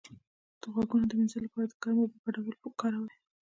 د غوږونو د مینځلو لپاره د ګرمو اوبو ګډول وکاروئ